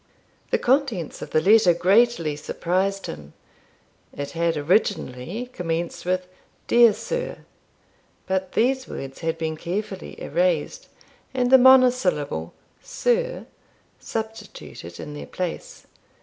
The contents of the letter greatly surprised him. It had originally commenced with 'Dear Sir'; but these words had been carefully erased, and the monosyllable 'Sir' substituted in their place.